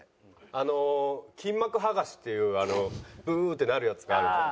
あの筋膜はがしっていう「うぅ」ってなるやつがあるんですよ。